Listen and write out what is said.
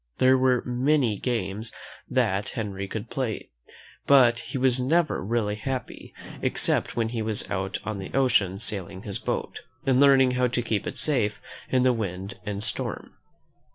There were many games that Henry could play, but he was never really happy except when he was out on the ocean sailing his boat, and learning how to keep it safe in the wind and storm.